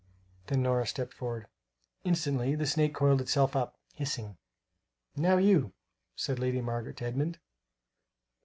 Then Nora stepped forward. Instantly the snake coiled itself up, hissing. "Now, you," said Lady Margaret to Edmund.